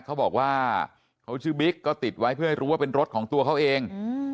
เขาบอกว่าเขาชื่อบิ๊กก็ติดไว้เพื่อให้รู้ว่าเป็นรถของตัวเขาเอง